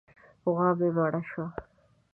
غوا مې مړه شوه.